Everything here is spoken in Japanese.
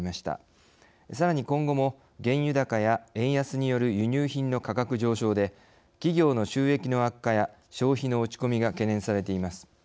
さらに今後も原油高や円安による輸入品の価格上昇で企業の収益の悪化や消費の落ち込みが懸念されています。